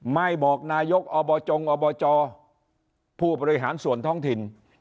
ไม่บอกนายกอบจงอบจผู้บริหารส่วนท้องถิ่น